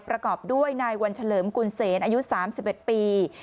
ประกอบด้วยนายวันเฉลิมกุลเซนอายุ๓๑ปี